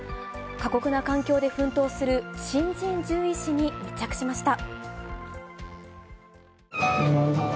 過酷な環境で奮闘する新人獣医師に密着しました。